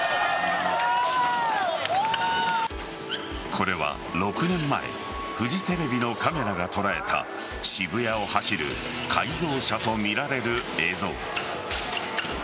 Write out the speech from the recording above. これは６年前フジテレビのカメラが捉えた渋谷を走る改造車とみられる映像。